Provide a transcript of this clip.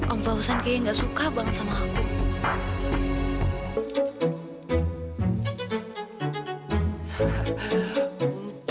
om fauzan kayaknya nggak suka banget sama aku